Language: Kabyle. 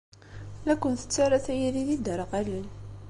La ken-tettara tayri d iderɣalen.